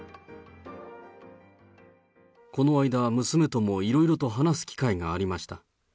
この間、娘ともいろいろと話す機会がありました。